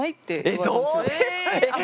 えっ！